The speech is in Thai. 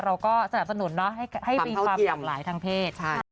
เราก็สนับสนุนให้มีความหลากหลายทางเพศ